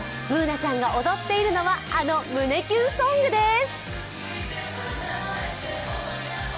Ｂｏｏｎａちゃんが踊っているのはあの胸キュンソングです。